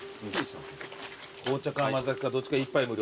紅茶か甘酒かどっちか１杯無料ですもんね。